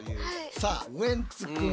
さあウエンツくん。